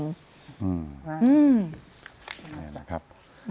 นี่แหละครับ